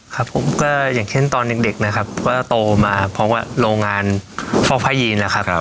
ครับผมก็อย่างเช่นตอนเด็กนะครับก็โตมาพร้อมกับโรงงานฟอกพระยีนนะครับ